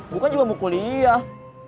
bukan juga mau kuliah